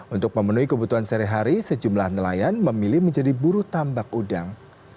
untuk memenuhi kebutuhan sehari hari sejumlah nelayan memilih menjadi buru tambak udang